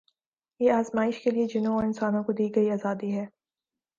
یہ آزمایش کے لیے جنوں اور انسانوں کو دی گئی آزادی ہے